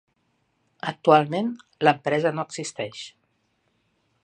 Actualment, l'empresa no existeix.